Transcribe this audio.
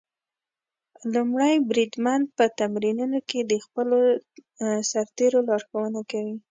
لومړی بریدمن په تمرینونو کې د خپلو سرتېرو لارښوونه کوي.